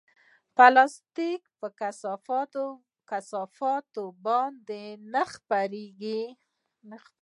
پلاستيکي کثافات باید نه خپرېږي.